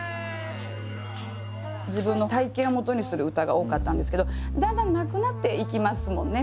自分の体験をもとにする歌が多かったんですけどだんだんなくなっていきますもんね